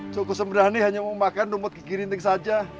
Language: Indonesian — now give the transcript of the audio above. joko semberani hanya mau makan rumput gigi rinting saja